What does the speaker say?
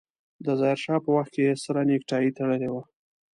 د ظاهر شاه په وخت کې يې سره نيکټايي تړلې وه.